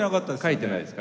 書いてないです。